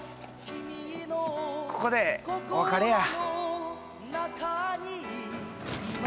ここでお別れや。